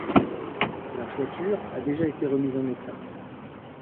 La toiture a déjà été remise en état.